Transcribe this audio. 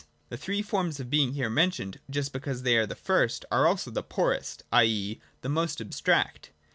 The three forms of being here mentioned, just because they are the first, are also the poorest, i. e. the most abstract.